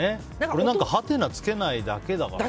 これなんかハテナつけないだけだから。